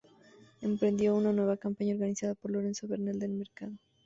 Emprendió una nueva campaña, organizada por Lorenzo Bernal del Mercado.